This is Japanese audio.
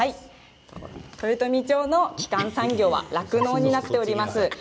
豊富町の基幹産業は酪農になっております。